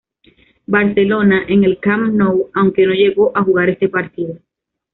Barcelona, en el Camp Nou, aunque no llegó a jugar este partido.